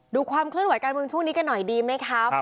ความเคลื่อนไหวการเมืองช่วงนี้กันหน่อยดีไหมครับ